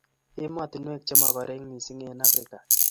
emotinwek chemokorek mising eng Afrika